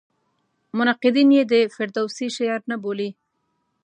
منقدین یې د فردوسي شعر نه بولي.